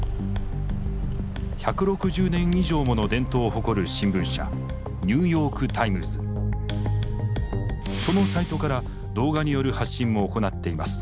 １６０年以上もの伝統を誇る新聞社そのサイトから動画による発信も行っています。